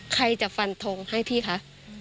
ใครจะฟันทงให้พี่คะ